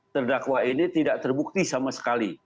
terdakwa ini tidak terbukti sama sekali